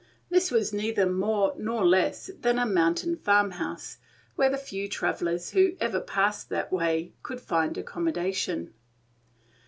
This was neither more nor less than a mountain farm house, where the few travellers who ever passed that way could find accommodation.